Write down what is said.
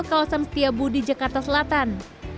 kawasan setiabu di jakarta selatan